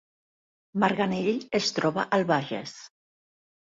Marganell es troba al Bages